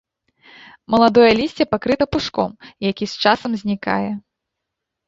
Маладое лісце пакрыта пушком, які з часам знікае.